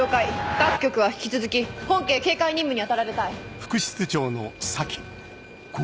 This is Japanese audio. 各局は引き続き本件警戒任務に当たられたい。